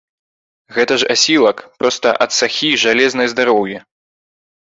Гэта ж асілак, проста ад сахі, жалезнае здароўе.